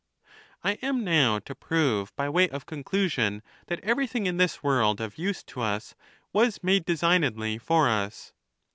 / LXII. I am now to prove, by way of conclusion, that I every thing in this world of use to us was made designed [hf for us.